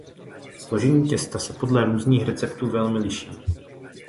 Složení těsta se podle různých receptů velmi liší.